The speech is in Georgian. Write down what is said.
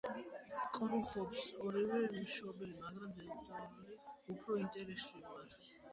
კრუხობს ორივე მშობელი, მაგრამ დედალი უფრო ინტენსიურად.